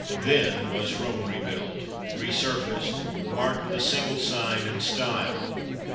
Then was Rome rebuilt, re faced, marked with a single sign and style.